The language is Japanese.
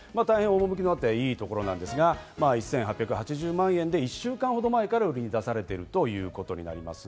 大変、趣があっていいところなんですが、１８８０万円で１週間ほど前から売りに出されているということですね。